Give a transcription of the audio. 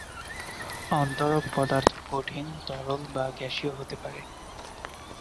অস্তরক পদার্থ কঠিন, তরল বা গ্যাসীয় হতে পারে।